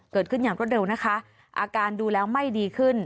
เกิดขึ้นอย่างรวดเร็วนะคะอาการดูแล้วไม่ดีขึ้น